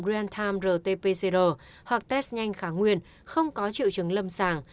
grand time rt pcr hoặc test nhanh khả nguyên không có triệu chứng lâm sàng